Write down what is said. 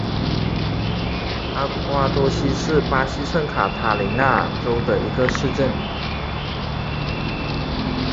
阿瓜多西是巴西圣卡塔琳娜州的一个市镇。